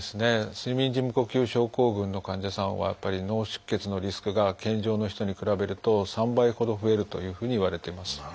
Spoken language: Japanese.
睡眠時無呼吸症候群の患者さんはやっぱり脳出血のリスクが健常の人に比べると３倍ほど増えるというふうにいわれてます。